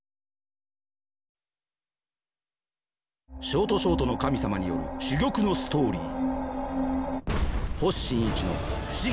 ショートショートの神様による珠玉のストーリー。